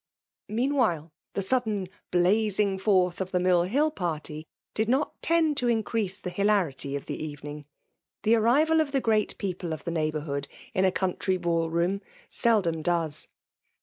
Meanwhile, the sudden blazing forth of the ^iill Hill party did not tend to increase the hilarity of the evening: — the arrival of the great people of the neighbourhood in a country ball room seldom does.